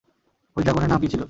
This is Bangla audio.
ঐ ড্রাগনের নাম কি ছিল?